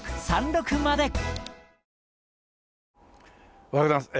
おはようございます。